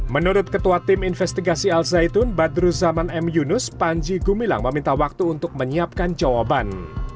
menurut ketua tim investigasi al zaitun badru zaman m yunus panji gumilang meminta waktu untuk menyiapkan jawaban